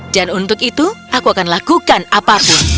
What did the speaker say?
dan untuk itu aku akan mencari